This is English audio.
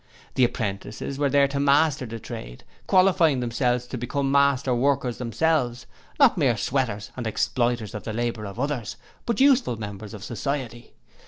The apprentices were there to master the trade, qualifying themselves to become master workers themselves; not mere sweaters and exploiters of the labour of others, but useful members of society.